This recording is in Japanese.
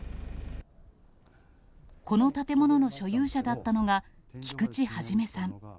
この建物の所有者だったのが、菊地一さん。